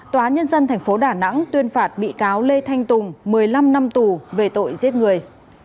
tòa nhân dân tp đà nẵng tuyên phạt bị cáo lê thanh tùng một mươi năm năm tù về tội giết người